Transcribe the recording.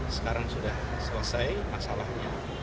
sekarang sudah selesai masalahnya